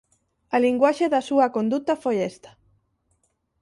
A linguaxe da súa conduta foi esta: